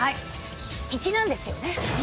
粋なんですよね。